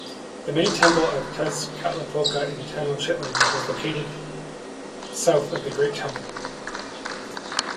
The Main temple of Tezcatlipoca in Tenochtitlan was located south of the Great Temple.